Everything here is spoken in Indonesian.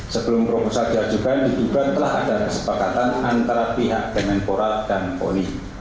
sebelum proposal diajukan diduga telah ada kesepakatan antara pihak kementerian pemuda dan poni